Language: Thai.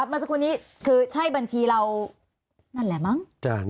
เมื่อสักวันนี้ที่ใช่บัญชีเรานั่นละมั้ง